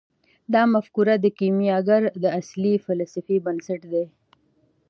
دا مفکوره د کیمیاګر د اصلي فلسفې بنسټ دی.